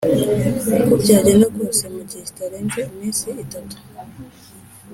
Uko byagenda kose mu gihe kitarenze iminsi itatu